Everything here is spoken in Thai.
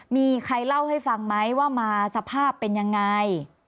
มีใครเล่าให้ฟังไหมว่ามาสภาพเป็นยังไง